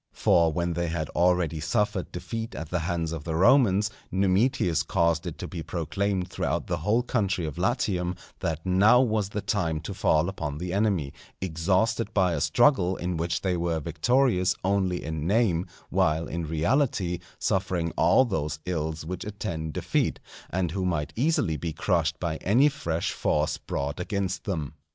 For when they had already suffered defeat at the hands of the Romans, Numitius caused it to be proclaimed throughout the whole country of Latium, that now was the time to fall upon the enemy, exhausted by a struggle in which they were victorious only in name, while in reality suffering all those ills which attend defeat, and who might easily be crushed by any fresh force brought against them.